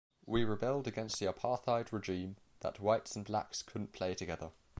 We rebelled against the apartheid regime that whites and blacks couldn't play together.